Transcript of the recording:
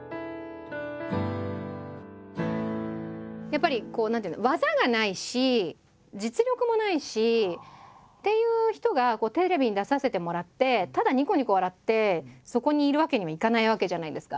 やっぱりこう何ていうの技がないし実力もないしっていう人がテレビに出させてもらってただにこにこ笑ってそこにいるわけにはいかないわけじゃないですか。